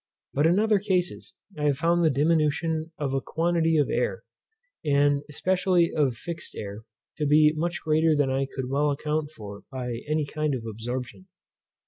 But in other cases I have found the diminution of a quantity of air, and especially of fixed air, to be much greater than I could well account for by any kind of absorption.